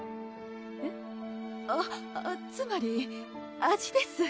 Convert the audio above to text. えっ？あっつまり味です